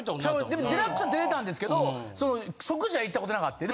でも『ＤＸ』は出てたんですけど食事は行ったことなかって。